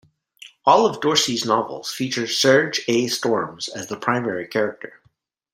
All of Dorsey's novels feature Serge A. Storms as the primary character.